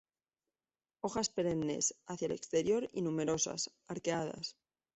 Hojas perennes, hacia el exterior y numerosas, arqueadas.